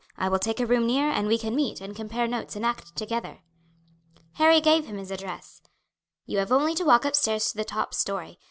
I will take a room near, and we can meet and compare notes and act together." Harry gave him his address. "You have only to walk upstairs to the top story.